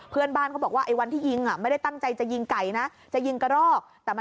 เพื่อนบ้านเขาบอกว่าไอวันที่ยิงไม่ได้ตั้งใจจะยิงไก่นะ